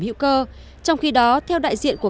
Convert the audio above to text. hữu cơ trong khi đó theo đại diện của